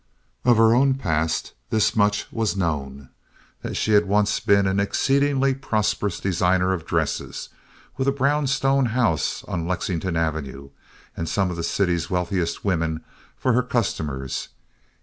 Of her own past this much was known: that she had once been an exceedingly prosperous designer of dresses, with a brown stone house on Lexington Avenue, and some of the city's wealthiest women for her customers.